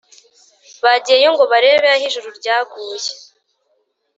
bagiyeyo ngo barebe aho ijuru ryaguye